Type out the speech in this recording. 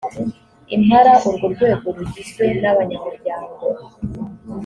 impala urwo rwego rugizwe n abanyamuryango